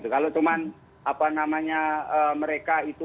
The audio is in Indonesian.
kalau mereka itu